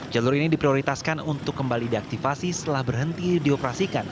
jalur ini diprioritaskan untuk kembali diaktifasi setelah berhenti dioperasikan